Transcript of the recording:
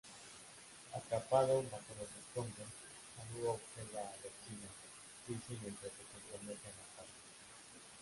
Atrapado bajo los escombros, Haruo observa a Godzilla irse mientras se compromete a matarlo.